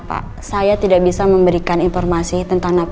pokoknya dia didisa lagi pulang da education alles right